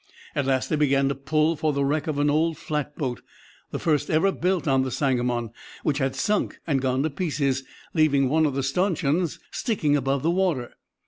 At last they began to pull for the wreck of an old flatboat, the first ever built on the Sangamon, which had sunk and gone to pieces, leaving one of the stanchions sticking above the water.